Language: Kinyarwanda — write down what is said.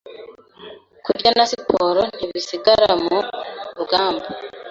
Kurya na siporo ntibisigana mu rugamba